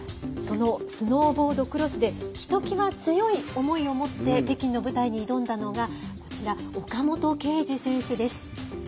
そのスノーボードクロスでひときわ強い思いを持って北京の舞台に挑んだのが岡本圭司選手です。